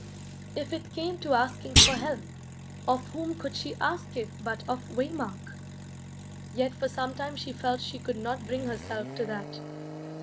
If it came to asking for help, of whom could she ask it but of Waymark? Yet for some time she felt she could not bring herself to that.